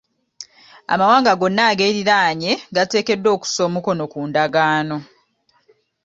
Amawanga gonna ageeriraanye gateekeddwa okusa omukono ku ndagaano.